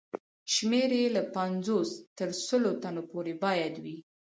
شمېر یې له پنځوس تر سلو تنو پورې باید وي.